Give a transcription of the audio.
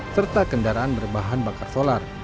serta kendaraan berbahan bakar solar